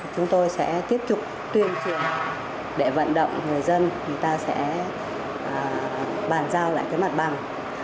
chúng tôi sẽ tiếp tục tuyên truyền để vận động người dân thì ta sẽ bàn giao lại cái mặt bằng